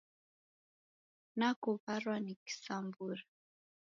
Nakuw'arwa ni kisambura.